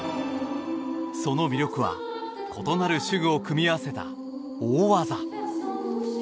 その魅力は異なる手具を組み合わせた大技。